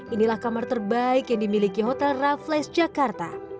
inilah kamar terbaik yang dimiliki hotel raffles jakarta